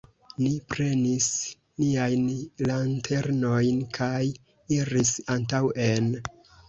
Ni prenis niajn lanternojn kaj iris antaŭen.